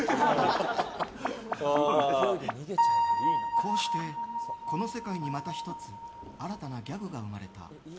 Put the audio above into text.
こうしてこの世界にまた１つ新たなギャグが生まれた。